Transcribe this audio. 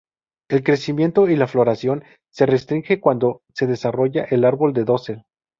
El crecimiento y la floración se restringe cuando se desarrolla el árbol de dosel.